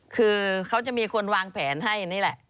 คือเขาจะมีคนวางแผนให้นี่แหละ